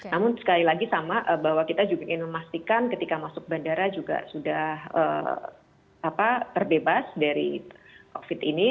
namun sekali lagi sama bahwa kita juga ingin memastikan ketika masuk bandara juga sudah terbebas dari covid ini